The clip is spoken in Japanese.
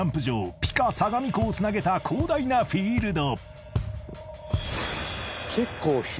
さがみ湖をつなげた広大なフィールド］